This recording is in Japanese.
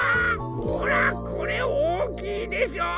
ほらこれおおきいでしょ？